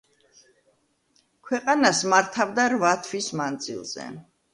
ქვეყანას მართავდა რვა თვის მანძილზე.